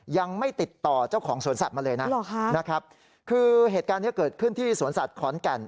ยังไม่ติดต่อเจ้าของสวนสัตว์มาเลยนะนะครับคือเหตุการณ์นี้เกิดขึ้นที่สวนสัตว์ขอนแก่น